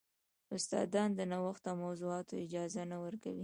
استادان د نوښت او موضوعاتو اجازه نه ورکوي.